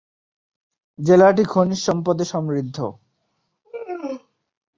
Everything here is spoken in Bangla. জেলাটি খনিজ সম্পদে সমৃদ্ধ।